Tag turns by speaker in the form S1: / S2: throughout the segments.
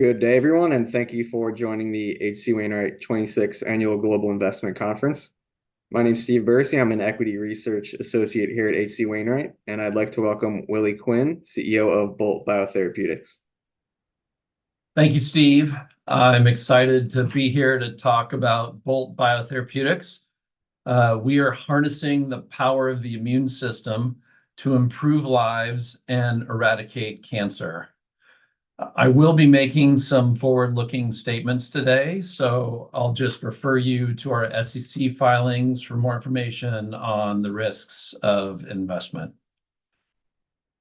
S1: Good day, everyone, and thank you for joining the H.C. Wainwright 26th Annual Global Investment Conference. My name's Steve Bursey. I'm an Equity Research Associate here at H.C. Wainwright, and I'd like to welcome Willie Quinn, CEO of Bolt Biotherapeutics.
S2: Thank you, Steve. I'm excited to be here to talk about Bolt Biotherapeutics. We are harnessing the power of the immune system to improve lives and eradicate cancer. I will be making some forward-looking statements today, so I'll just refer you to our SEC filings for more information on the risks of investment.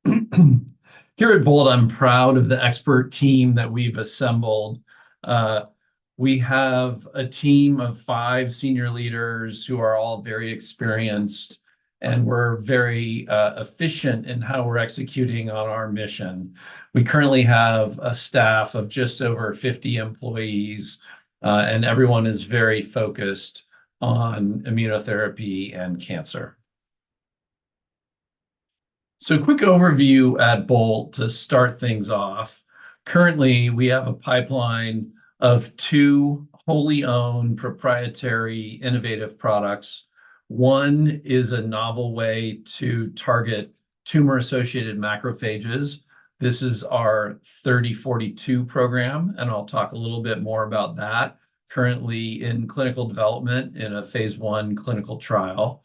S2: Here at Bolt, I'm proud of the expert team that we've assembled. We have a team of five senior leaders who are all very experienced, and we're very efficient in how we're executing on our mission. We currently have a staff of just over 50 employees, and everyone is very focused on immunotherapy and cancer. So a quick overview at Bolt to start things off. Currently, we have a pipeline of two wholly owned proprietary innovative products. One is a novel way to target tumor-associated macrophages. This is our 3042 program, and I'll talk a little bit more about that. Currently in clinical development in a phase I clinical trial.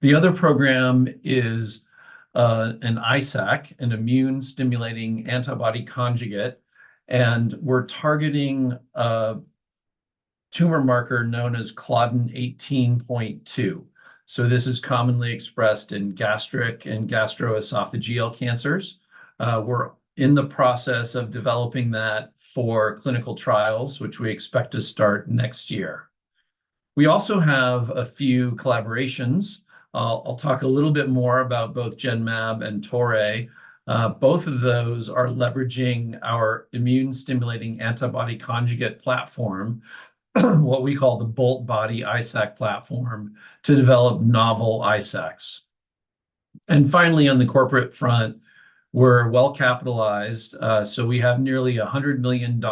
S2: The other program is an ISAC, an immune-stimulating antibody conjugate, and we're targeting a tumor marker known as Claudin 18.2, so this is commonly expressed in gastric and gastroesophageal cancers. We're in the process of developing that for clinical trials, which we expect to start next year. We also have a few collaborations. I'll talk a little bit more about both Genmab and Toray. Both of those are leveraging our immune-stimulating antibody conjugate platform, what we call the Boltbody ISAC platform, to develop novel ISACs, and finally, on the corporate front, we're well capitalized. So we have nearly $100 million,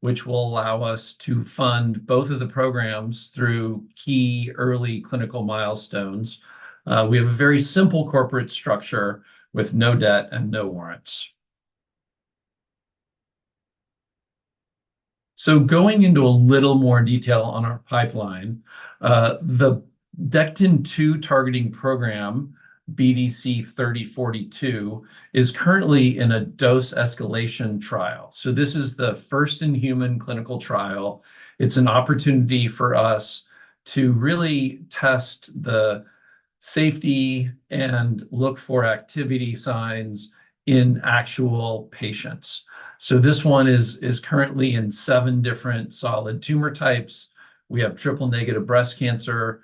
S2: which will allow us to fund both of the programs through key early clinical milestones. We have a very simple corporate structure with no debt and no warrants, so going into a little more detail on our pipeline, the Dectin-2 targeting program, BDC-3042, is currently in a dose escalation trial, so this is the first in human clinical trial. It's an opportunity for us to really test the safety and look for activity signs in actual patients, so this one is currently in seven different solid tumor types. We have triple-negative breast cancer,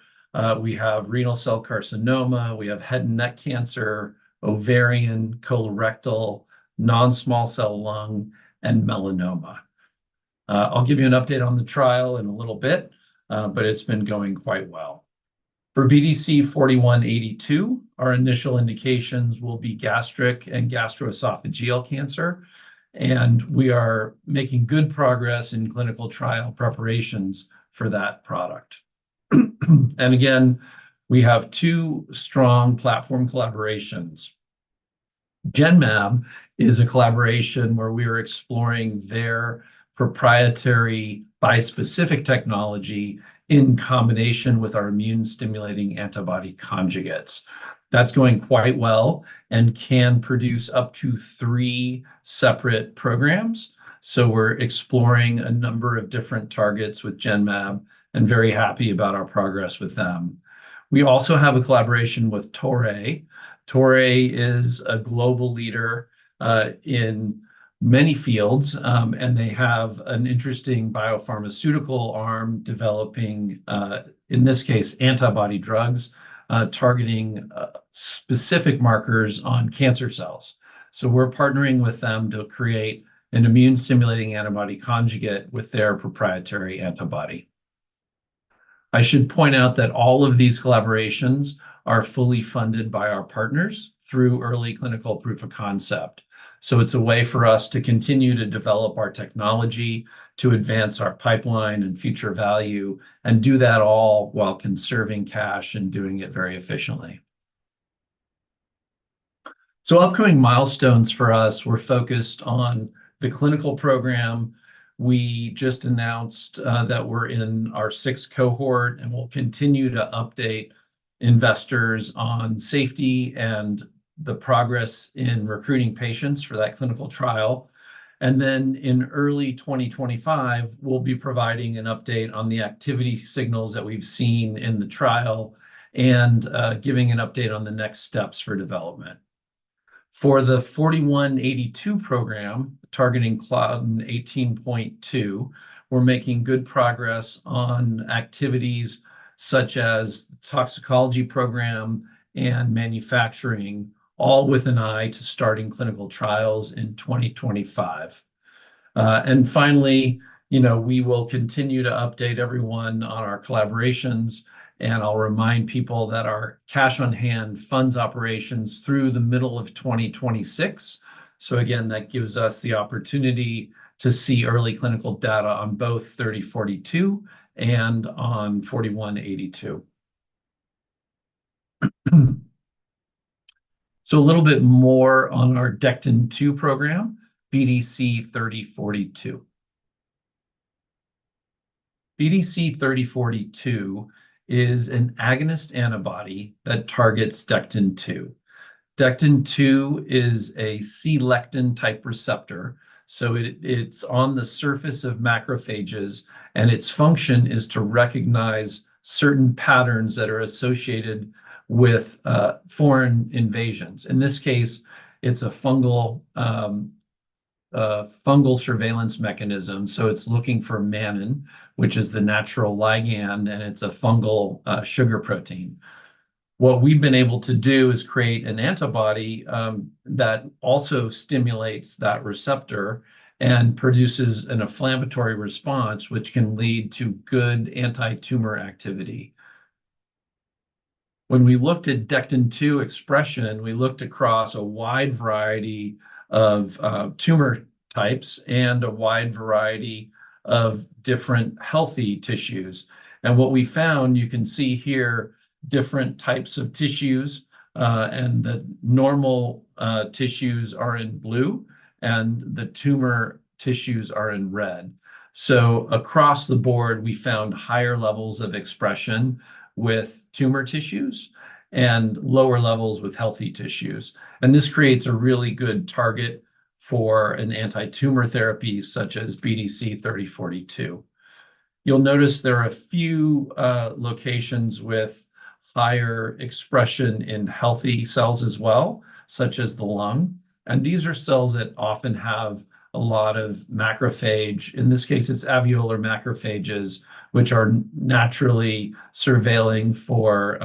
S2: we have renal cell carcinoma, we have head and neck cancer, ovarian, colorectal, non-small cell lung, and melanoma. I'll give you an update on the trial in a little bit, but it's been going quite well. For BDC-4182, our initial indications will be gastric and gastroesophageal cancer, and we are making good progress in clinical trial preparations for that product. And again, we have two strong platform collaborations. Genmab is a collaboration where we are exploring their proprietary bispecific technology in combination with our immune-stimulating antibody conjugates. That's going quite well and can produce up to three separate programs, so we're exploring a number of different targets with Genmab and very happy about our progress with them. We also have a collaboration with Toray. Toray is a global leader in many fields, and they have an interesting biopharmaceutical arm developing, in this case, antibody drugs targeting specific markers on cancer cells. So we're partnering with them to create an immune-stimulating antibody conjugate with their proprietary antibody. I should point out that all of these collaborations are fully funded by our partners through early clinical proof of concept, so it's a way for us to continue to develop our technology, to advance our pipeline and future value, and do that all while conserving cash and doing it very efficiently, so upcoming milestones for us, we're focused on the clinical program. We just announced that we're in our sixth cohort, and we'll continue to update investors on safety and the progress in recruiting patients for that clinical trial, and then in early 2025, we'll be providing an update on the activity signals that we've seen in the trial and giving an update on the next steps for development. For the BDC-4182 program, targeting Claudin 18.2, we're making good progress on activities such as toxicology program and manufacturing, all with an eye to starting clinical trials in 2025. And finally, you know, we will continue to update everyone on our collaborations, and I'll remind people that our cash on hand funds operations through the middle of 2026. So again, that gives us the opportunity to see early clinical data on both 3042 and on 4182. So a little bit more on our Dectin-2 program, BDC-3042. BDC-3042 is an agonist antibody that targets Dectin-2. Dectin-2 is a C-type lectin receptor, so it's on the surface of macrophages, and its function is to recognize certain patterns that are associated with foreign invasions. In this case, it's a fungal surveillance mechanism. So it's looking for mannan, which is the natural ligand, and it's a fungal, sugar protein. What we've been able to do is create an antibody, that also stimulates that receptor and produces an inflammatory response, which can lead to good anti-tumor activity. When we looked at Dectin-2 expression, we looked across a wide variety of, tumor types and a wide variety of different healthy tissues. And what we found, you can see here, different types of tissues, and the normal, tissues are in blue, and the tumor tissues are in red. So across the board, we found higher levels of expression with tumor tissues and lower levels with healthy tissues. And this creates a really good target for an anti-tumor therapy, such as BDC-3042. You'll notice there are a few locations with higher expression in healthy cells as well, such as the lung, and these are cells that often have a lot of macrophage. In this case, it's alveolar macrophages, which are naturally surveilling for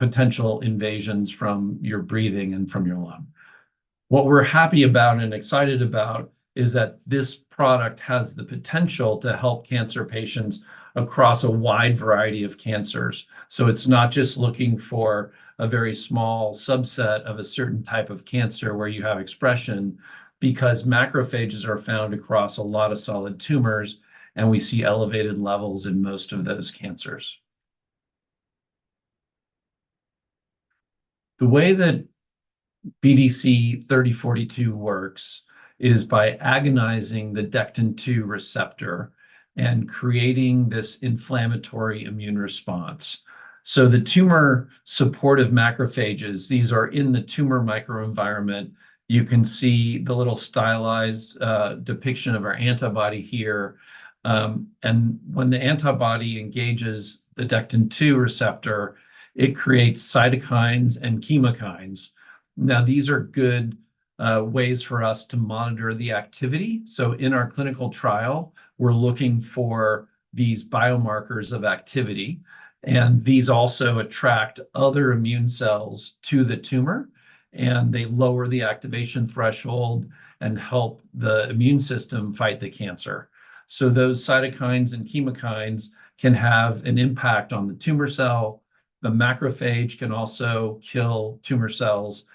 S2: potential invasions from your breathing and from your lung. What we're happy about and excited about is that this product has the potential to help cancer patients across a wide variety of cancers, so it's not just looking for a very small subset of a certain type of cancer where you have expression, because macrophages are found across a lot of solid tumors, and we see elevated levels in most of those cancers. The way that BDC-3042 works is by agonizing the Dectin-2 receptor and creating this inflammatory immune response, so the tumor-supportive macrophages, these are in the tumor microenvironment. You can see the little stylized depiction of our antibody here, and when the antibody engages the Dectin-2 receptor, it creates cytokines and chemokines. Now, these are good ways for us to monitor the activity. So in our clinical trial, we're looking for these biomarkers of activity, and these also attract other immune cells to the tumor, and they lower the activation threshold and help the immune system fight the cancer. So those cytokines and chemokines can have an impact on the tumor cell. The macrophage can also kill tumor cells,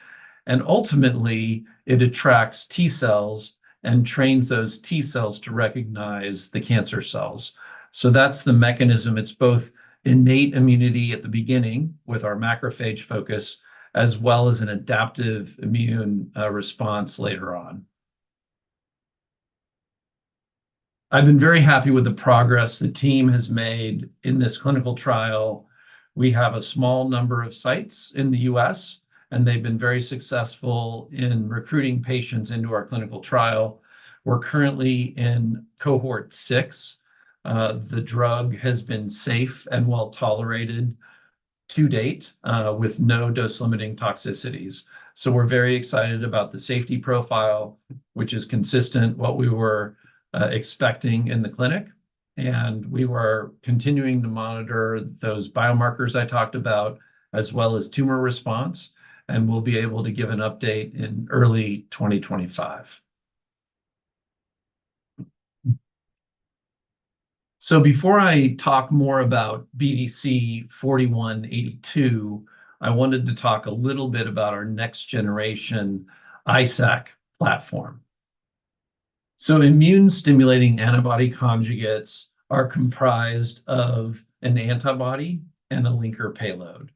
S2: and ultimately, it attracts T cells and trains those T cells to recognize the cancer cells. So that's the mechanism. It's both innate immunity at the beginning with our macrophage focus, as well as an adaptive immune response later on. I've been very happy with the progress the team has made in this clinical trial. We have a small number of sites in the U.S., and they've been very successful in recruiting patients into our clinical trial. We're currently in cohort 6. The drug has been safe and well-tolerated to date, with no dose-limiting toxicities, so we're very excited about the safety profile, which is consistent with what we were expecting in the clinic, and we are continuing to monitor those biomarkers I talked about, as well as tumor response, and we'll be able to give an update in early 2025. So before I talk more about BDC-4182, I wanted to talk a little bit about our next-generation ISAC platform, so immune-stimulating antibody conjugates are comprised of an antibody and a linker payload.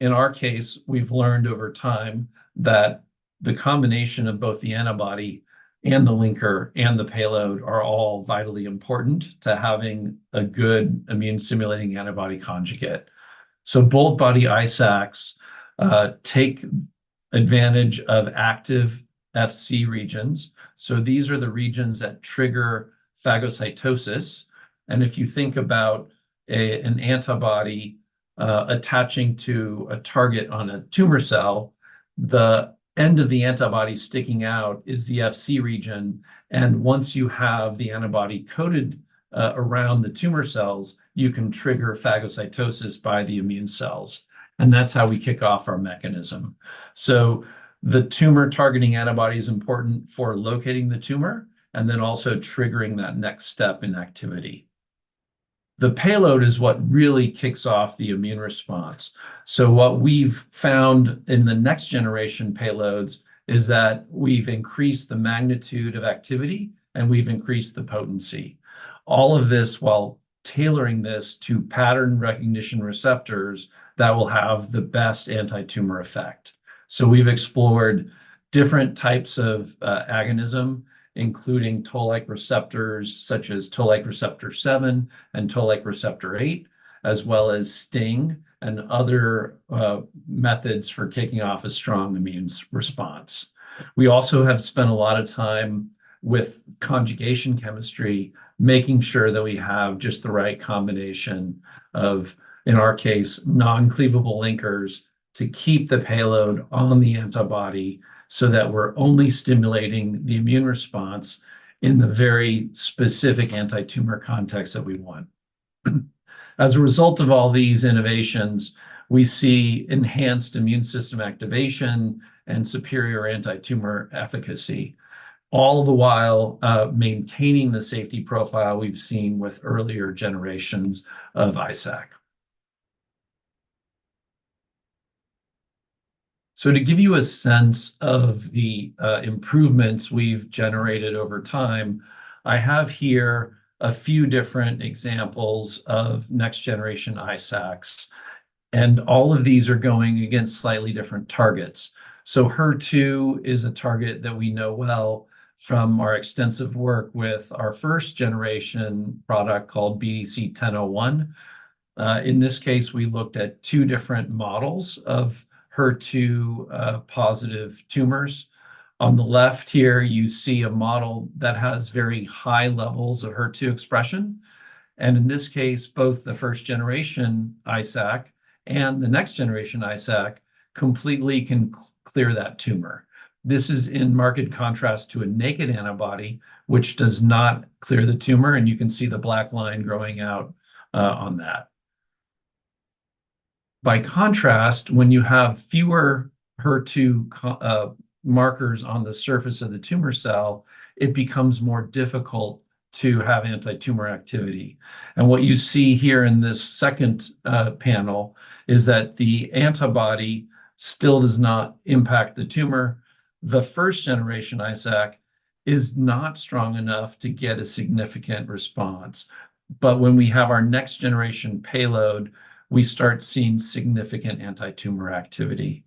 S2: In our case, we've learned over time that the combination of both the antibody and the linker and the payload are all vitally important to having a good immune-stimulating antibody conjugate. So Boltbody ISACs take advantage of active Fc regions. So these are the regions that trigger phagocytosis. And if you think about an antibody attaching to a target on a tumor cell, the end of the antibody sticking out is the Fc region. And once you have the antibody coated around the tumor cells, you can trigger phagocytosis by the immune cells, and that's how we kick off our mechanism. So the tumor-targeting antibody is important for locating the tumor and then also triggering that next step in activity. The payload is what really kicks off the immune response. So what we've found in the next-generation payloads is that we've increased the magnitude of activity, and we've increased the potency. All of this while tailoring this to pattern recognition receptors that will have the best anti-tumor effect. So we've explored different types of agonism, including Toll-like receptors, such as Toll-like receptor 7 and Toll-like receptor 8, as well as STING and other methods for kicking off a strong immune response. We also have spent a lot of time with conjugation chemistry, making sure that we have just the right combination of, in our case, non-cleavable linkers, to keep the payload on the antibody so that we're only stimulating the immune response in the very specific anti-tumor context that we want. As a result of all these innovations, we see enhanced immune system activation and superior anti-tumor efficacy, all the while maintaining the safety profile we've seen with earlier generations of ISAC. So to give you a sense of the improvements we've generated over time, I have here a few different examples of next generation ISACs, and all of these are going against slightly different targets. So HER2 is a target that we know well from our extensive work with our first generation product called BDC-1001. In this case, we looked at two different models of HER2 positive tumors. On the left here, you see a model that has very high levels of HER2 expression, and in this case, both the first generation ISAC and the next generation ISAC completely clear that tumor. This is in marked contrast to a naked antibody, which does not clear the tumor, and you can see the black line growing out on that. By contrast, when you have fewer HER2 markers on the surface of the tumor cell, it becomes more difficult to have anti-tumor activity. And what you see here in this second panel is that the antibody still does not impact the tumor. The first generation ISAC is not strong enough to get a significant response, but when we have our next generation payload, we start seeing significant anti-tumor activity.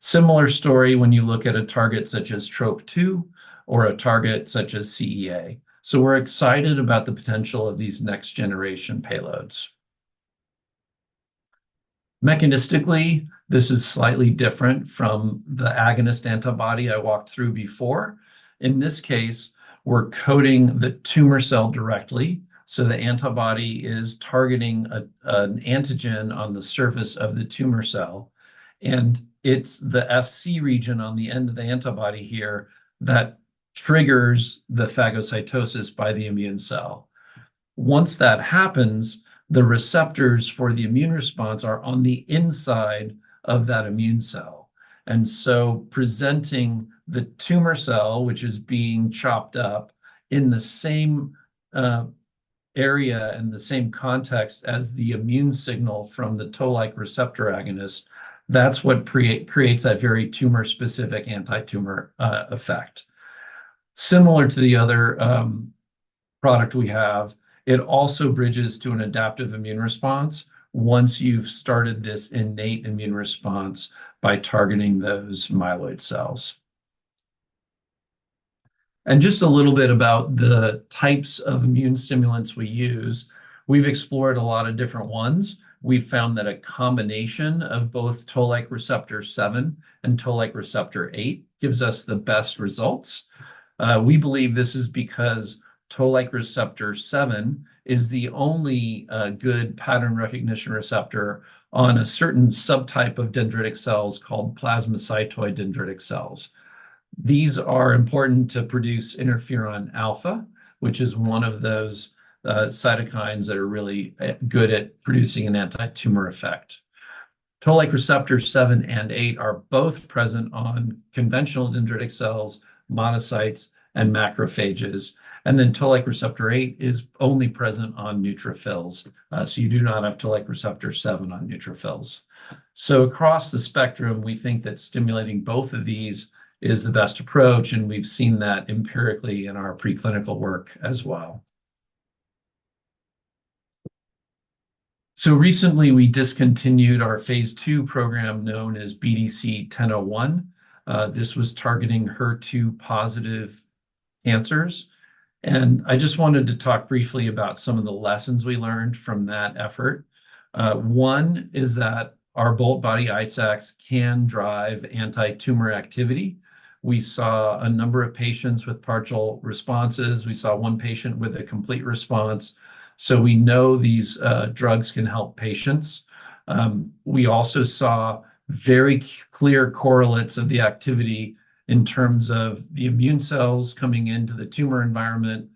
S2: Similar story when you look at a target such as TROP-2 or a target such as CEA. So we're excited about the potential of these next generation payloads. Mechanistically, this is slightly different from the agonist antibody I walked through before. In this case, we're coding the tumor cell directly, so the antibody is targeting an antigen on the surface of the tumor cell, and it's the Fc region on the end of the antibody here that triggers the phagocytosis by the immune cell. Once that happens, the receptors for the immune response are on the inside of that immune cell. And so presenting the tumor cell, which is being chopped up, in the same area and the same context as the immune signal from the Toll-like receptor agonist, that's what creates that very tumor-specific anti-tumor effect. Similar to the other product we have, it also bridges to an adaptive immune response once you've started this innate immune response by targeting those myeloid cells. And just a little bit about the types of immune stimulants we use. We've explored a lot of different ones. We've found that a combination of both Toll-like receptor 7 and Toll-like receptor 8 gives us the best results. We believe this is because Toll-like receptor 7 is the only, good pattern recognition receptor on a certain subtype of dendritic cells called plasmacytoid dendritic cells. These are important to produce interferon alpha, which is one of those, cytokines that are really, good at producing an anti-tumor effect. Toll-like receptor 7 and 8 are both present on conventional dendritic cells, monocytes, and macrophages, and then Toll-like receptor 8 is only present on neutrophils. So you do not have Toll-like receptor 7 on neutrophils. So across the spectrum, we think that stimulating both of these is the best approach, and we've seen that empirically in our preclinical work as well. So recently, we discontinued our phase II program, known as BDC-1001. This was targeting HER2-positive cancers, and I just wanted to talk briefly about some of the lessons we learned from that effort. One is that our Boltbody ISACs can drive anti-tumor activity. We saw a number of patients with partial responses. We saw one patient with a complete response, so we know these drugs can help patients. We also saw very clear correlates of the activity in terms of the immune cells coming into the tumor environment,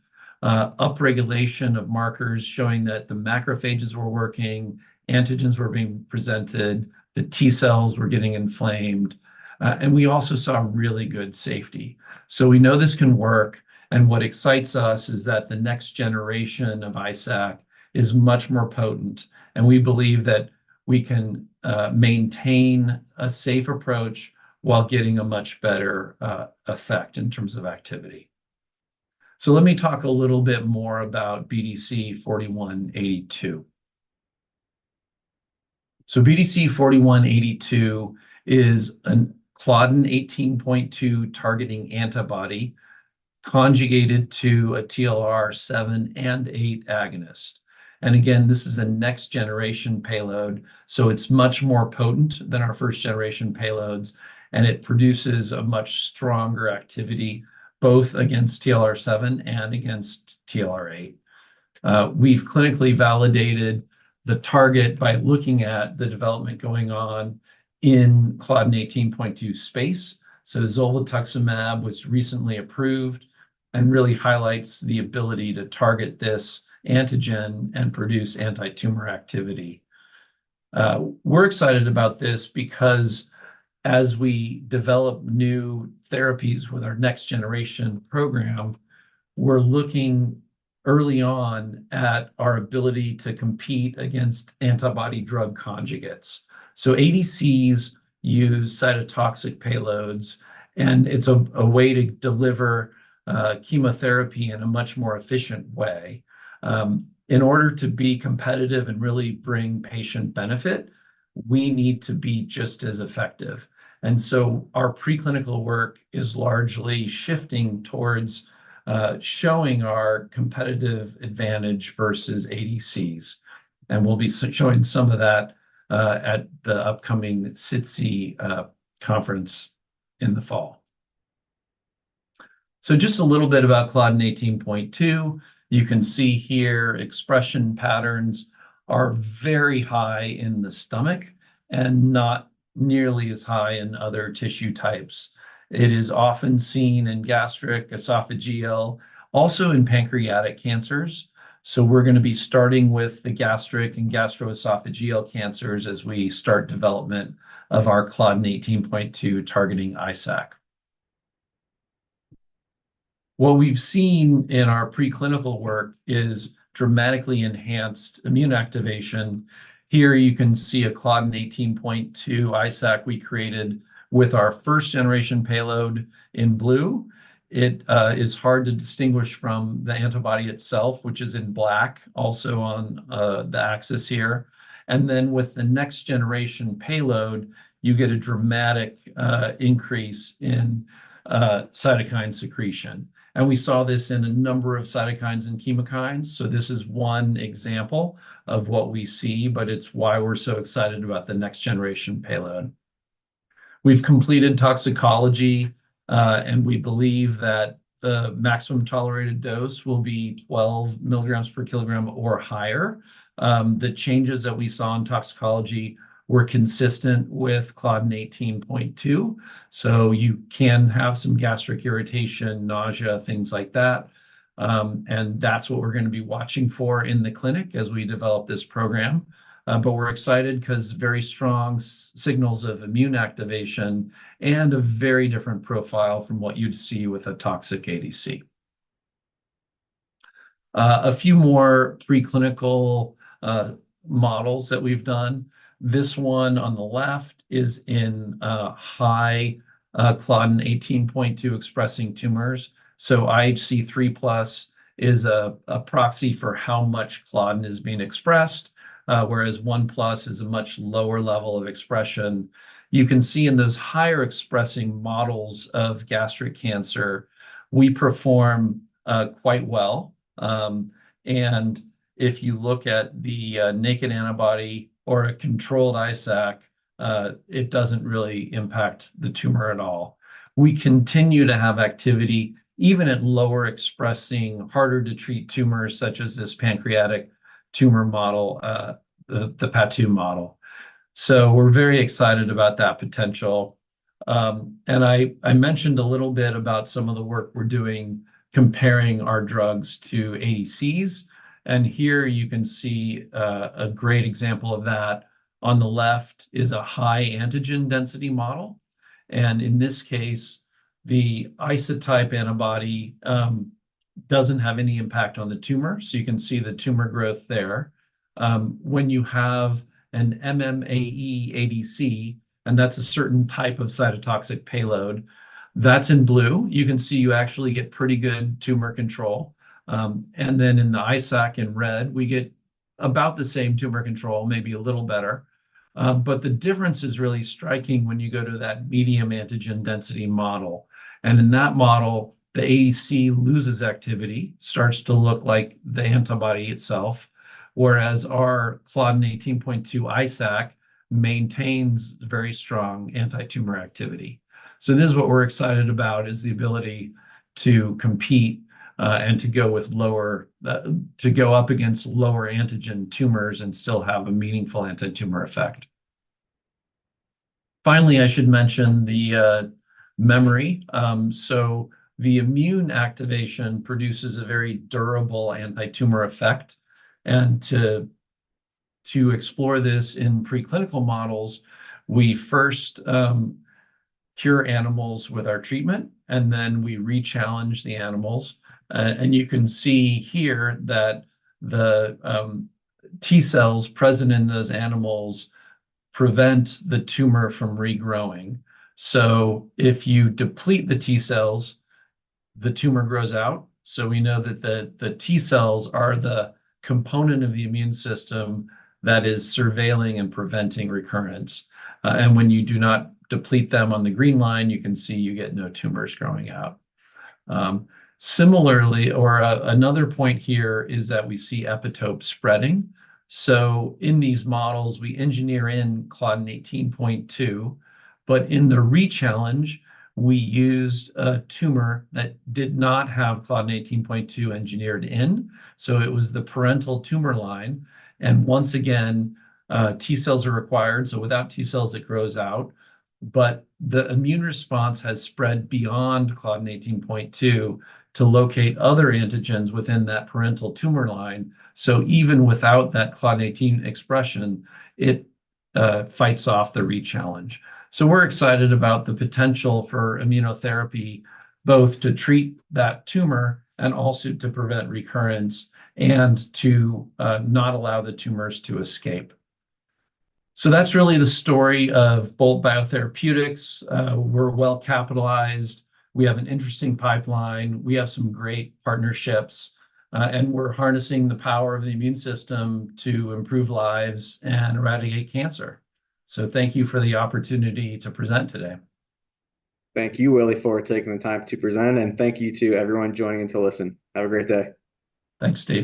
S2: upregulation of markers showing that the macrophages were working, antigens were being presented, the T-cells were getting inflamed, and we also saw really good safety. So we know this can work, and what excites us is that the next generation of ISAC is much more potent, and we believe that we can maintain a safe approach while getting a much better effect in terms of activity. So let me talk a little bit more about BDC-4182, so BDC-4182 is a Claudin 18.2 targeting antibody conjugated to a TLR7/8 agonist. And again, this is a next-generation payload, so it's much more potent than our first-generation payloads, and it produces a much stronger activity, both against TLR7 and against TLR8. We've clinically validated the target by looking at the development going on in Claudin 18.2 space. Zolbetuximab was recently approved and really highlights the ability to target this antigen and produce anti-tumor activity. We're excited about this because as we develop new therapies with our next-generation program, we're looking early on at our ability to compete against antibody drug conjugates. ADCs use cytotoxic payloads, and it's a way to deliver chemotherapy in a much more efficient way. In order to be competitive and really bring patient benefit, we need to be just as effective. And so our preclinical work is largely shifting towards showing our competitive advantage versus ADCs, and we'll be showing some of that at the upcoming SITC conference in the fall. So just a little bit about Claudin 18.2. You can see here expression patterns are very high in the stomach and not nearly as high in other tissue types. It is often seen in gastric, esophageal, also in pancreatic cancers. So we're gonna be starting with the gastric and gastroesophageal cancers as we start development of our Claudin 18.2 targeting ISAC. What we've seen in our preclinical work is dramatically enhanced immune activation. Here, you can see a Claudin 18.2 ISAC we created with our first-generation payload in blue. It is hard to distinguish from the antibody itself, which is in black, also on the axis here. And then with the next-generation payload, you get a dramatic increase in cytokine secretion. And we saw this in a number of cytokines and chemokines, so this is one example of what we see, but it's why we're so excited about the next-generation payload. We've completed toxicology, and we believe that the maximum tolerated dose will be 12 milligrams per kilogram or higher. The changes that we saw in toxicology were consistent with Claudin 18.2, so you can have some gastric irritation, nausea, things like that. And that's what we're gonna be watching for in the clinic as we develop this program. But we're excited 'cause very strong signals of immune activation and a very different profile from what you'd see with a toxic ADC. A few more preclinical models that we've done. This one on the left is in high Claudin 18.2 expressing tumors. So IHC 3+ is a proxy for how much claudin is being expressed, whereas one plus is a much lower level of expression. You can see in those higher-expressing models of gastric cancer, we perform quite well. And if you look at the naked antibody or a controlled ISAC, it doesn't really impact the tumor at all. We continue to have activity even at lower expressing, harder to treat tumors, such as this pancreatic tumor model, the PaTu model. So we're very excited about that potential. And I mentioned a little bit about some of the work we're doing comparing our drugs to ADCs, and here you can see a great example of that. On the left is a high antigen density model, and in this case, the isotype antibody doesn't have any impact on the tumor. So you can see the tumor growth there. When you have an MMAE ADC, and that's a certain type of cytotoxic payload, that's in blue, you can see you actually get pretty good tumor control. And then in the ISAC in red, we get about the same tumor control, maybe a little better. But the difference is really striking when you go to that medium antigen density model. In that model, the ADC loses activity, starts to look like the antibody itself, whereas our Claudin 18.2 ISAC maintains very strong anti-tumor activity. This is what we're excited about, is the ability to compete, and to go up against lower antigen tumors and still have a meaningful anti-tumor effect. Finally, I should mention the memory. The immune activation produces a very durable anti-tumor effect. To explore this in preclinical models, we first cure animals with our treatment, and then we rechallenge the animals. You can see here that the T cells present in those animals prevent the tumor from regrowing. If you deplete the T cells, the tumor grows out. We know that the T cells are the component of the immune system that is surveilling and preventing recurrence. And when you do not deplete them on the green line, you can see you get no tumors growing out. Similarly, another point here is that we see epitope spreading. So in these models, we engineer in Claudin 18.2, but in the rechallenge, we used a tumor that did not have Claudin 18.2 engineered in, so it was the parental tumor line. And once again, T cells are required, so without T cells, it grows out. But the immune response has spread beyond Claudin 18.2 to locate other antigens within that parental tumor line. So even without that Claudin 18 expression, it fights off the rechallenge. So we're excited about the potential for immunotherapy, both to treat that tumor and also to prevent recurrence and to not allow the tumors to escape. So that's really the story of Bolt Biotherapeutics. We're well capitalized, we have an interesting pipeline, we have some great partnerships, and we're harnessing the power of the immune system to improve lives and eradicate cancer. So thank you for the opportunity to present today.
S1: Thank you, Willie, for taking the time to present, and thank you to everyone joining in to listen. Have a great day.
S2: Thanks, Steve.